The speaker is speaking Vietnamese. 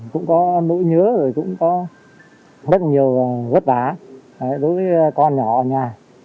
cũng có nỗi nhớ rất nhiều gất vả đối với con nhỏ ở nhà